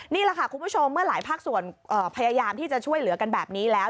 นี่แหละค่ะคุณผู้ชมเมื่อหลายภาคส่วนพยายามที่จะช่วยเหลือกันแบบนี้แล้ว